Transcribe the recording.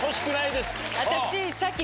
私。